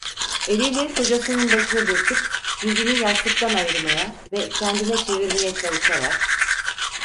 Eliyle kocasının başını dürtüp yüzünü yastıktan ayırmaya ve kendine çevirmeye çalışarak: